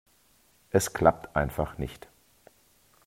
Es klappt einfach nicht.